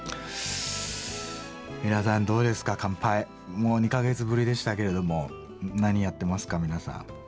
もう２か月ぶりでしたけれども何やってますか皆さん。